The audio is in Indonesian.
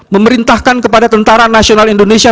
memerintahkan kepada tentara nasional indonesia